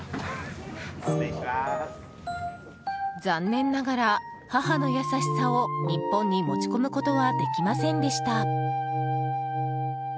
残念ながら、母の優しさを日本に持ち込むことはできませんでした。